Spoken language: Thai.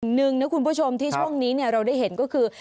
หนึ่งนะคุณผู้ชมที่ช่วงนี้เราได้เห็นก็คือ